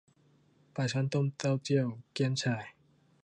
ปลาช่อนต้มเต้าเจี้ยวเกี่ยมฉ่าย